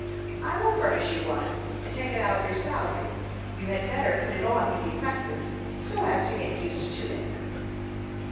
"I will furnish you one, and take it out of your salary. You had better put it on when you practice, so as to get used to it."